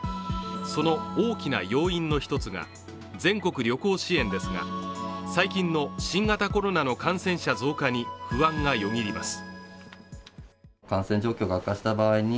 その大きな要因の１つが全国旅行支援ですが、最近の新型コロナの感染者増加に不安がよぎります。